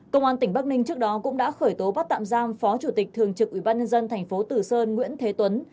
công an tỉnh bắc ninh trước đó cũng đã khởi tố bắt tạm giam phó chủ tịch thường trực ủy ban nhân dân thành phố tử sơn nguyễn thế tuấn